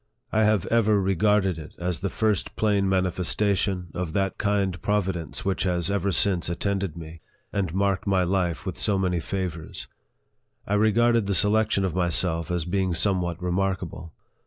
I have ever regarded it as the first plain manifestation of that kind providence which has ever since attended me, and marked my life with so many favors. I regarded the selection of myself as being somewhat remarkable.